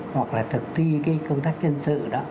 hoặc là thực thi công tác nhân sự